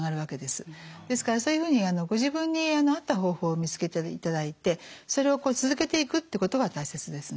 ですからそういうふうにご自分に合った方法を見つけていただいてそれを続けていくってことが大切ですね。